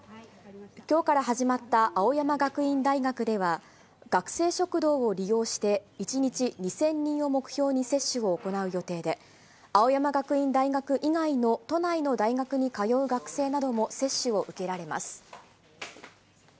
きょうから始まった青山学院大学では、学生食堂を利用して、１日２０００人を目標に接種を行う予定で、青山学院大学以外の都内の大学に通う学生なども接種を受けられます。